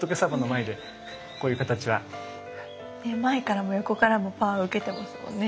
前からも横からもパワー受けてますもんね